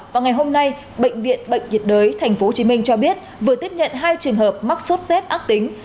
vào ngày hôm nay bệnh viện bệnh nhiệt đới tp hcm cho biết vừa tiếp nhận hai trường hợp mắc sốt z ác tính